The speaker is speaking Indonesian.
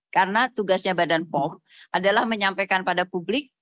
karena tugasnya badan pom adalah menyampaikan pada publik